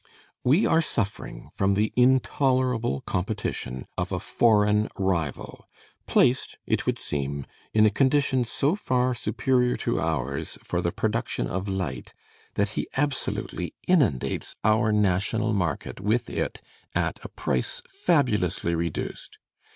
We are suffering from the intolerable competition of a foreign rival, placed, it would seem, in a condition so far superior to ours for the production of light, that he absolutely inundates our national market with it at a price fabulously reduced.